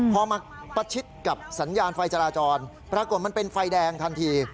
พอมาประชิดกับสัญญาณไฟจราจรปรากฏมันเป็นไฟแดงทันที